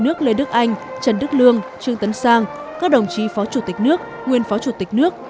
nước lê đức anh trần đức lương trương tấn sang các đồng chí phó chủ tịch nước nguyên phó chủ tịch nước